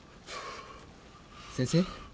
先生？